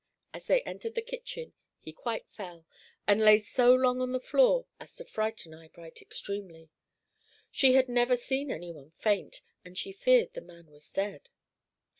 As they entered the kitchen he quite fell, and lay so long on the floor as to frighten Eyebright extremely. She had never seen any one faint, and she feared the man was dead.